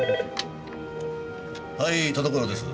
はい田所です。